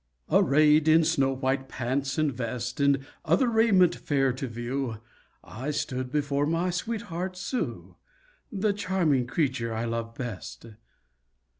Arrayed in snow white pants and vest, And other raiment fair to view, I stood before my sweetheart Sue The charming creature I love best.